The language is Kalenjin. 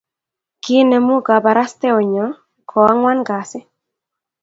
Kinemu kabarastaenyo koangwan kasi